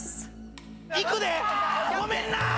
いくで⁉ごめんなぁ！